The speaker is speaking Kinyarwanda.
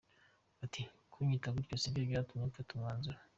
Ati “Kunyita gutyo sibyo byatumye mfata umwanzuro.